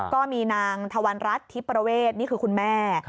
ก็มีนางธวรรณรัฐทิพประเวทนี่คือคุณแม่